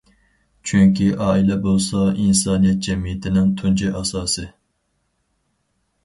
چۈنكى ئائىلە بولسا ئىنسانىيەت جەمئىيىتىنىڭ تۇنجى ئاساسى.